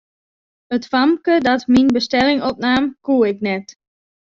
It famke dat myn bestelling opnaam, koe ik net.